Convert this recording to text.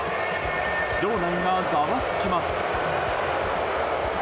場内がざわつきます。